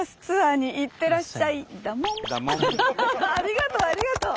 ありがとうありがとう！